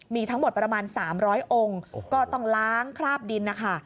มีทั้งหมดประมาณ๓๐๐องค์ก็ต้องล้างคราบดินนะคะ